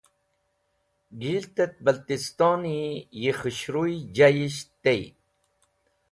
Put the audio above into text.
Gilt et Baltistoni yi khushruy jayisht tey